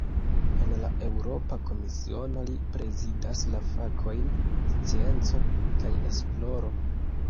En la Eŭropa Komisiono, li prezidas la fakojn "scienco kaj esploro".